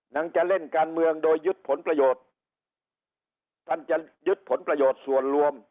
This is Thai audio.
ยังจะเล่นการเมืองโดยยึดผลประโยชน์ท่านจะยึดผลประโยชน์ส่วนรวม